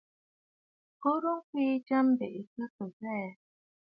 Korə ŋkwee jya, mbèʼe tâ sɨ̀ kwɛɛ.